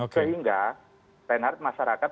sehingga reinhardt masyarakat